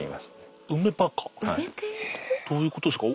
どういうことですか？